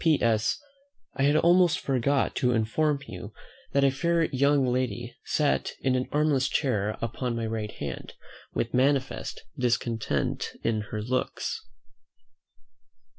"P.S. I had almost forgot to inform you that a fair young lady sat in an armless chair upon my right hand, with manifest discontent in her looks."